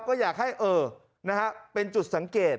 ก็อยากให้เป็นจุดสังเกต